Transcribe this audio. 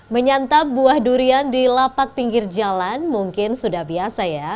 menyantap buah durian di lapak pinggir jalan mungkin sudah biasa ya